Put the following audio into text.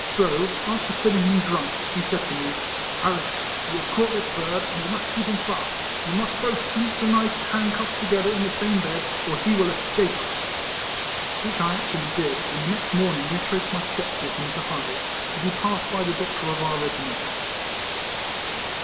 So, after filling him drunk, he said to me —" Harris, you have caught this bird, and you must keep him fast. You must M 2 244 EECOLLECTIONS OF both sleep to night handcuffed together in the same bed, or he will escape us ;" which I actually did, and the next morning re traced my steps with him to Hythe, to be passed by the doctor of our regiment.